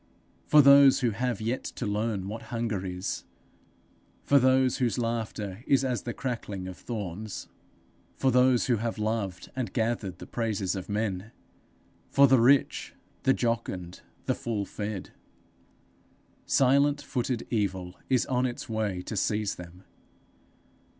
for those who have yet to learn what hunger is! for those whose laughter is as the crackling of thorns! for those who have loved and gathered the praises of men! for the rich, the jocund, the full fed! Silent footed evil is on its way to seize them.